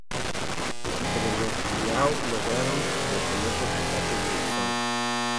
Pero los Liao lograron repeler los ataques de los Song.